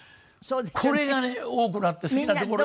これがね多くなって好きな所に。